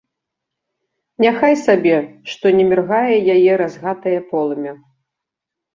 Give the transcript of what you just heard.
Няхай сабе, што не міргае яе разгатае полымя.